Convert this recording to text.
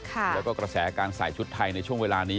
แล้วก็กระแสการใส่ชุดไทยในช่วงเวลานี้